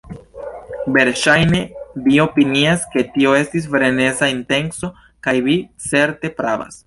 Verŝajne vi opinias, ke tio estis freneza intenco, kaj vi certe pravas.